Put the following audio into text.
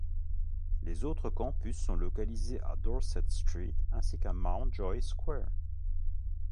Les autres campus sont localisés à Dorset Street ainsi qu'à Mountjoy square.